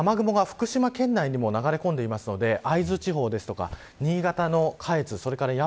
雨雲が福島県内にも流れ込んでいますので会津地方や新潟の下越